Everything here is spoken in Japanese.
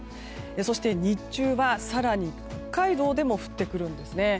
そして日中は更に北海道でも降ってくるんですね。